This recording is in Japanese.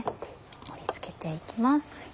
盛り付けて行きます。